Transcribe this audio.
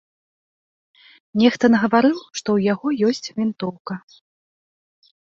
Нехта нагаварыў, што ў яго ёсць вінтоўка.